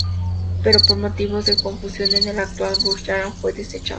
Pero por motivos de confusión con el actual Burj Al Arab, fue desechado.